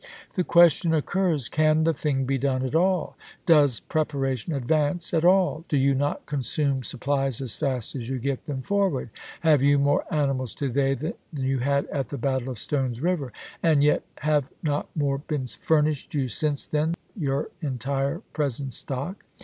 The question occurs, Can the thing be done at all ? Does preparation advance at all ? Do you not consume supplies as fast as you get them forward ! Have you more animals to day than you had at the battle of Stone's Eiver ! And yet have not more been furnished you since then than your entire present stock